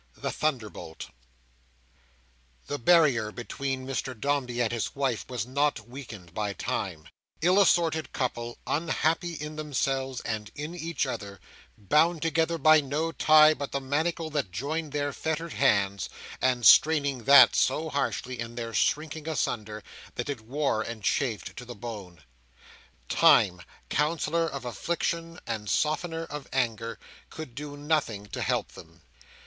The Thunderbolt The barrier between Mr Dombey and his wife was not weakened by time. Ill assorted couple, unhappy in themselves and in each other, bound together by no tie but the manacle that joined their fettered hands, and straining that so harshly, in their shrinking asunder, that it wore and chafed to the bone, Time, consoler of affliction and softener of anger, could do nothing to help them.